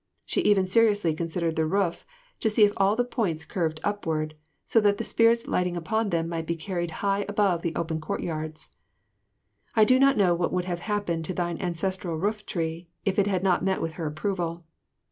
She even seriously considered the roof, to see if all the points curved upward, so that the spirits lighting upon them be carried high above the open courtyards. I do not know what would have happened to thine ancestral rooftree if it had not met with her approval.